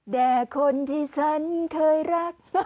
แด่คนที่ฉันเคยรัก